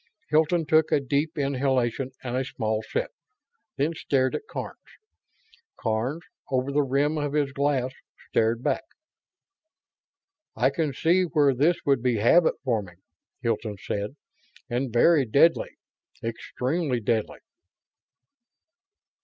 Hilton took a deep inhalation and a small sip, then stared at Karns. Karns, over the rim of his glass, stared back. "I can see where this would be habit forming," Hilton said, "and very deadly. Extremely deadly."